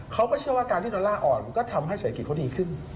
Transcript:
เขาก็เชื่อว่าการที่ดอลลาร์อ่อนมันก็ทำให้เศรษฐกิจเขาดีขึ้น